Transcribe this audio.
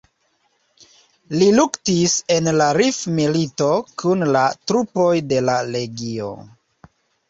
Li luktis en la Rif-milito kun la trupoj de la Legio.